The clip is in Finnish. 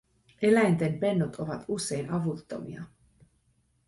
Eläinten pennut ovat usein avuttomia.